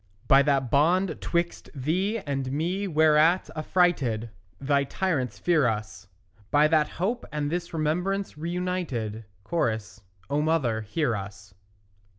By that bond 'twixt thee and me whereat affrighted Thy tyrants fear us; By that hope and this remembrance reunited; (Cho.) O mother, hear us.